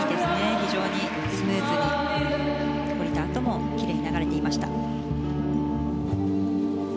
非常にスムーズで降りたあともきれいに流れていました。